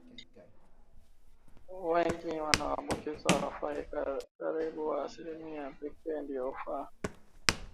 wengi wanaoambukizwa hawafi karibu asilimia pekee ndio hufa